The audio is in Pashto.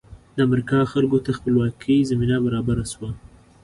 د امریکا خلکو ته خپلواکۍ زمینه برابره شوه.